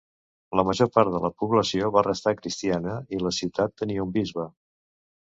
La major part de la població va restar cristiana i la ciutat tenia un bisbe.